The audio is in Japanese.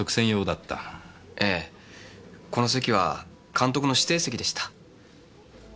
ええこの席は監督の指定席でした。